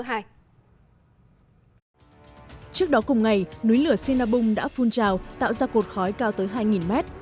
trước đó cùng ngày núi lửa sinabung đã phun trào tạo ra cột khói cao tới hai mét